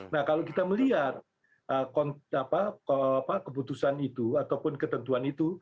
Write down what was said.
nah kalau kita melihat keputusan itu ataupun ketentuan itu